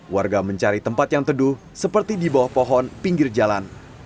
warga mencari tempat yang teduh seperti di bawah pohon pinggir jalan